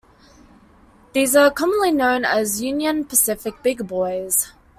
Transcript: These are commonly known as "Union Pacific Big Boys".